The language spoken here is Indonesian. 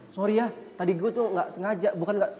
sorry ya tadi gue tuh gak sengaja bukan nggak